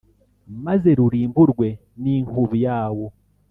maze rurimburwe n’inkubi yawo.